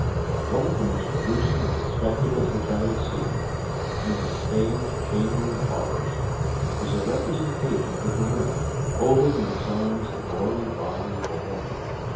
One of the most gruesome of the spectacles which I had seen in its famed Chamber of Horrors was a representation of a gorilla, holding in its arms the gory body of a woman.